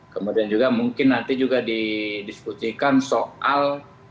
kemudian juga mungkin nanti juga didiskusikan soal